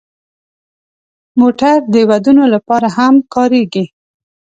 موټر د ودونو لپاره هم کارېږي.